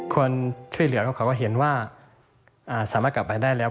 คนช่วยเหลือเขาก็เห็นว่าสามารถกลับไปได้แล้ว